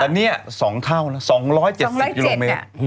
แต่เนี่ยสองเท่านัก๒๗๐กิโลเมตร